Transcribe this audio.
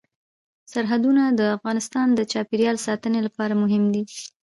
سرحدونه د افغانستان د چاپیریال ساتنې لپاره مهم دي.